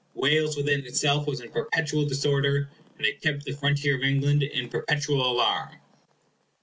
Wales, within itself, was in perpetual disorder, and it kept the frontier of England in perpetual alarm.